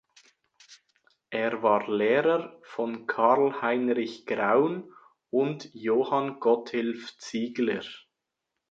Er war Lehrer von Carl Heinrich Graun und Johann Gotthilf Ziegler.